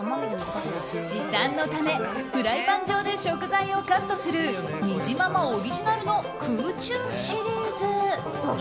時短のためフライパン上で食材をカットするにじままオリジナルの空中シリーズ。